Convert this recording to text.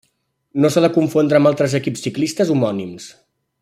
No s'ha de confondre amb altres equips ciclistes homònims.